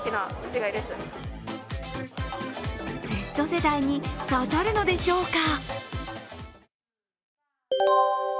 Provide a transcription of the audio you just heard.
Ｚ世代に刺さるのでしょうか？